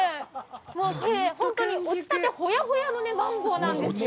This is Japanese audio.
もうこれ、本当に落ちたてほやほやマンゴーなんですよ。